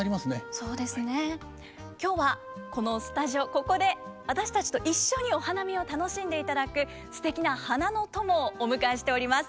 ここで私たちと一緒にお花見を楽しんでいただくすてきな花の友をお迎えしております。